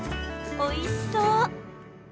おいしそう！